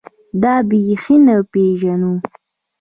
دا بېخي نه پېژنو.